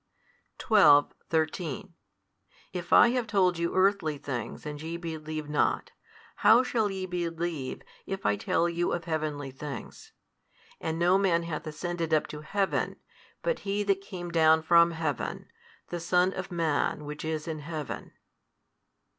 12, 13 If I have told you earthly things and ye believe not, how shall ye believe, if I tell you of heavenly things? And no man hath ascended up to heaven, but He that came down from heaven, the Son of man Which is in heaven.